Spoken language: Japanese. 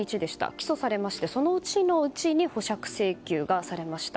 起訴されましてその日のうちに保釈請求がされました。